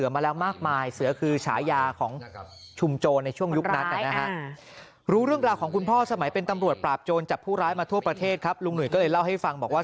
มาทั่วประเทศครับลุงหนุ่ยก็เลยเล่าให้ฟังบอกว่า